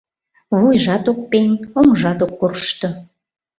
Вуйжат ок пеҥ, оҥжат ок коршто...